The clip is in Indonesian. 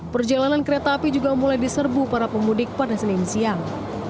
perjalanan kereta api juga mulai diserbu para pemudik pada senin siang